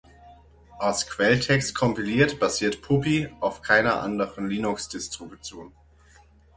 Aus Quelltext kompiliert, basiert Puppy auf keiner anderen Linux-Distribution.